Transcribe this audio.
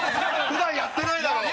普段やってないだろう！